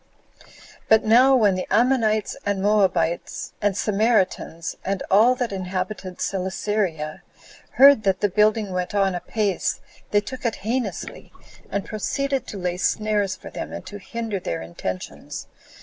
8. But now when the Ammonites, and Moabites, and Samaritans, and all that inhabited Celesyria, heard that the building went on apace, they took it heinously, and proceeded to lay snares for them, and to hinder their intentions.